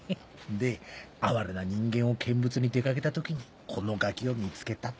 で哀れな人間を見物に出掛けた時にこのガキを見つけたと。